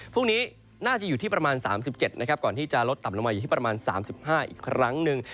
พรุ่งนี้น่าจะอยู่ที่ประมาณ๓๗นะครับก่อนที่จะลดต่ำลงมาอยู่ที่ประมาณ๓๕อีกครั้งหนึ่ง